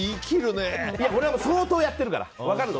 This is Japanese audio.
俺は相当やってるから分かる。